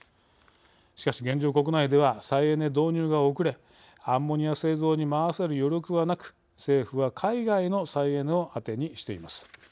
しかし現状国内では再エネ導入が遅れアンモニア製造に回せる余力はなく、政府は海外の再エネを当てにしています。